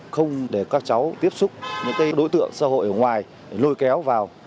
không để các cháu tiếp xúc những đối tượng xã hội ở ngoài lôi kéo vào